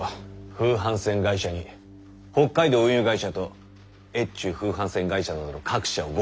風帆船会社に北海道運輸会社と越中風帆船会社などの各社を合同させる。